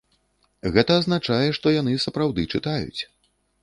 Гэта азначае, што яны сапраўды чытаюць.